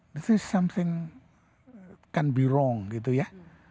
ini sesuatu yang tidak akan salah